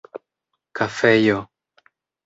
kafejo